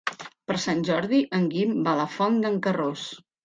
Per Sant Jordi en Guim va a la Font d'en Carròs.